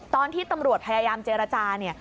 ตอนที่ตำรวจพยายามเจรจาเนี่ย